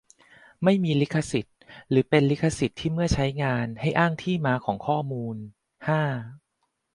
ไม่มีลิขสิทธ์ หรือ เป็นลิขสิทธิ์ที่เมื่อใช้งาน ให้อ้างที่มาของข้อมูล ห้า